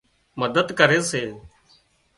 مدد ڪري سي